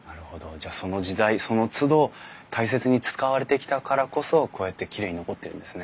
じゃあその時代そのつど大切に使われてきたからこそこうやってきれいに残ってるんですね。